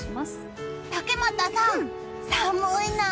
竹俣さん、寒いなあ。